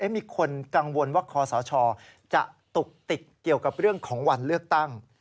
มีคนกังวลว่าคอสชจะตุกติดเกี่ยวกับเรื่องของวันเลือกตั้ง